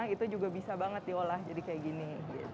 itu juga bisa banget diolah jadi kayak gini